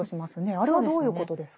あれはどういうことですか？